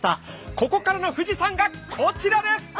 ここからの富士山がこちらです！